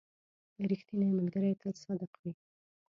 • ریښتینی ملګری تل صادق وي.